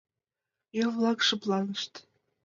Еҥ-влак шыпланышт.